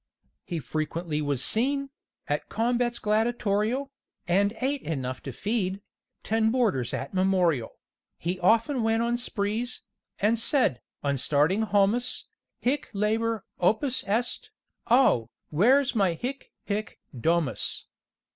He frequently was seen At combats gladiatorial, And ate enough to feed Ten boarders at Memorial; He often went on sprees And said, on starting homus, "Hic labor opus est, Oh, where's my hic hic domus?"